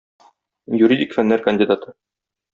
Юридик фәннәр кандидаты.